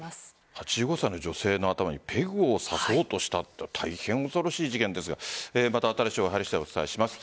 ８５歳の女性の頭にペグを刺そうとしたっていうのは大変恐ろしい事件ですがまた新しい情報入り次第お伝えします。